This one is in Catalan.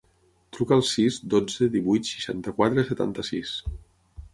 Truca al sis, dotze, divuit, seixanta-quatre, setanta-sis.